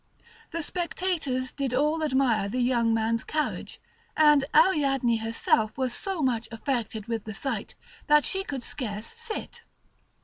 The spectators did all admire the young man's carriage; and Ariadne herself was so much affected with the sight, that she could scarce sit.